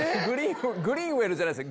グリーンウェルじゃないっす。